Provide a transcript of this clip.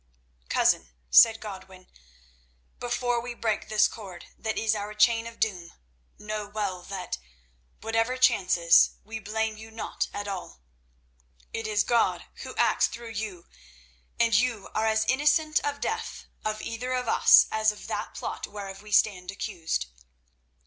"Cousin," said Godwin, "before we break this cord that is our chain of doom, know well that, whatever chances, we blame you not at all. It is God Who acts through you, and you are as innocent of the death of either of us as of that plot whereof we stand accused."